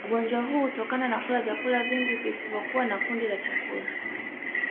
ugonjwa huu hutokana na kula vyakula vingi visivyokuwa na kundi la chakula